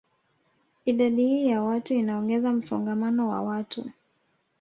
Idadi hii ya watu inaongeza msongamano wa watu